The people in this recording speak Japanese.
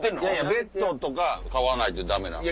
ベッドとか買わないとダメなんで。